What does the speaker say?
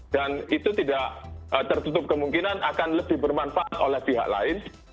dan itu tidak tertutup kemungkinan akan lebih bermanfaat oleh pihak lain